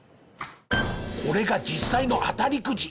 これが実際の当たりくじ。